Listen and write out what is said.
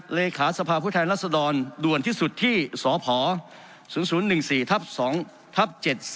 เลขาสภาพผู้แทนรัศดรด่วนที่สุดที่สพ๐๐๑๔ทับ๒ทับ๗๔